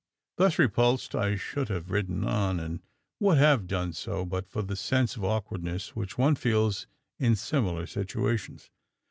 Thus repulsed, I should have ridden on; and would have done so, but for that sense of awkwardness, which one feels in similar situations.